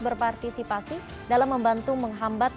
berpartisipasi dalam membantu menghambat